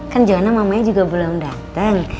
kan jona mamanya juga belum datang